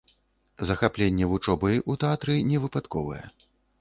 Захапленне вучобай у тэатры не выпадковае.